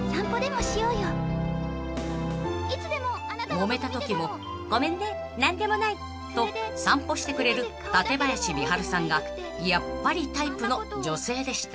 ［もめたときも「ごめんね何でもない」と散歩してくれる館林見晴さんがやっぱりタイプの女性でした］